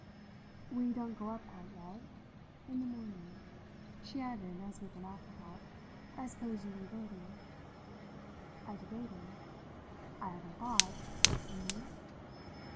"We don't go up quite yet. In the morning," she added as with an afterthought, "I suppose you leave early." I debated. "I haven't thought. And you?"